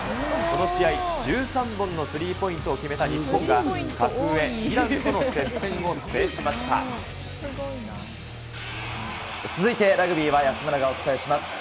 この試合、１３本のスリーポイントを決めた日本が、格上、イランとの接戦を続いて、ラグビーは安村がお伝えします。